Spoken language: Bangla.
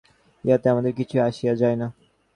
ইহাতে আমাদের কিছুই আসিয়া যায় না।